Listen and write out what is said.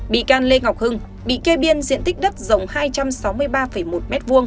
bị can lê ngọc hưng bị kê biên diện tích đất rộng hai trăm sáu mươi ba một m hai